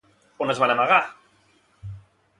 On es van amagar?